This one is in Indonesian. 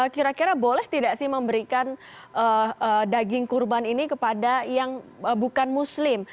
kira kira boleh tidak sih memberikan daging kurban ini kepada yang bukan muslim